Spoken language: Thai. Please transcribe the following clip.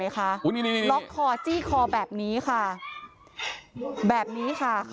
แล้วก็มาก่อเหตุอย่างที่คุณผู้ชมเห็นในคลิปนะคะ